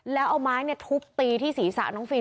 แล้วเอาไม้ทุบตีที่ศีรษะน้องฟิล